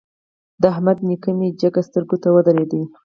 د احمد نېکي مې جګه سترګو ته ودرېده.